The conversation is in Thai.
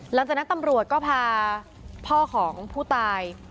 หลังจากนั้นตำรวจก็พาพ่อของผู้ตาย